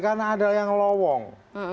karena ada yang lowong